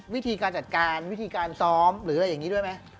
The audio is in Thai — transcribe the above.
วิธีการซ้อมหรืออะไรอย่างนี้ด้วยไหม